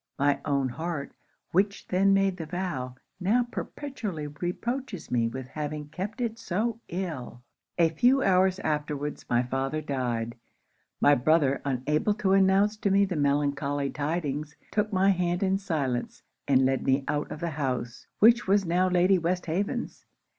My own heart, which then made the vow, now perpetually reproaches me with having kept it so ill! 'A few hours afterwards, my father died. My brother, unable to announce to me the melancholy tidings, took my hand in silence, and led me out of the house, which was now Lady Westhaven's.